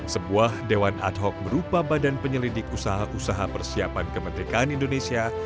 sebuah dewan ad hoc berupa badan penyelidik usaha usaha persiapan kemerdekaan indonesia